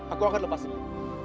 aku akan lepaskan lia